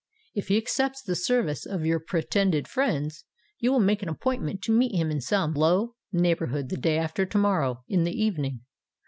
If he accepts the service of your pretended friends, you will make an appointment to meet him in some, low neighbourhood the day after to morrow, in the evening.